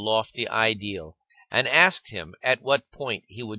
lofty ideal, and asked him at what point he would VY!